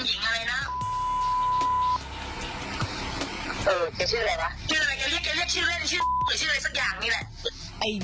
สวัสดีครับทุกคน